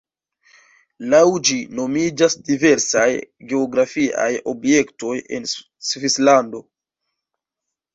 Laŭ ĝi nomiĝas diversaj geografiaj objektoj en Svislando.